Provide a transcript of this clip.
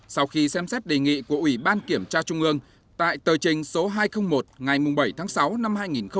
sau khi xem xét đề nghị của ủy ban kiểm tra trung ương tại tờ trình số hai trăm linh một ngày bảy tháng sáu năm hai nghìn một mươi chín